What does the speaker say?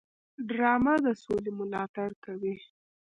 ډرامه د سولې ملاتړ کوي